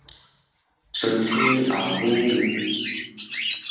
春天後母面